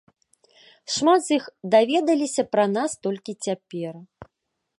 Шмат з іх даведаліся пра нас толькі цяпер.